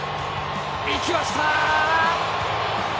行きました！